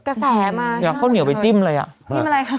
ประโยชน์ต่อกระแสมากนะฮะเดี๋ยวเขาเหนียวไปจิ้มเลยอะ